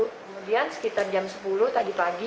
kemudian sekitar jam sepuluh tadi pagi